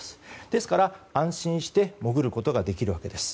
ですから、安心して潜ることができるわけです。